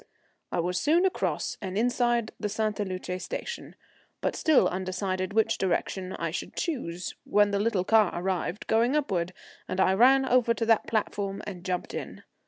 I was soon across and inside the Sainte Luce station, but still undecided which direction I should choose, when the little car arrived going upward, and I ran over to that platform and jumped in.